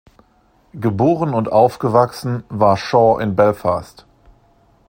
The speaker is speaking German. Geboren und aufgewachsen war Shaw in Belfast.